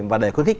và để khuyến khích